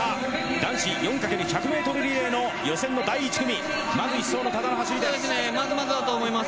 男子４×１００ｍリレーの予選の第１組まず１走の多田の走りです。